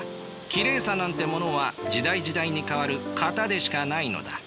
きれいさなんてものは時代時代に変わる型でしかないのだ。